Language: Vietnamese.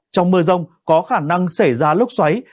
trong mưa rông có khả năng xảy ra lốc xoáy